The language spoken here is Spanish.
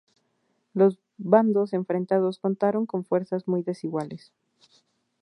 Los bandos enfrentados contaron con fuerzas muy desiguales.